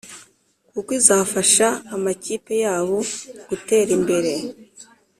kuko izafasha amakipe yabo gutera imbere